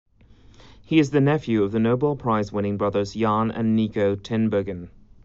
He is the nephew of the Nobel Prize-winning brothers Jan and Niko Tinbergen.